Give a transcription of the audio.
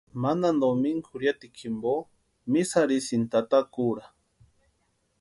Mantani domingu jurhiatikwa jimpo misa arhisïnti tata kura.